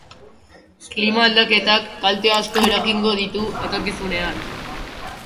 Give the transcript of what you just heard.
Klima-aldaketak kalte asko eragingo ditu etorkizunean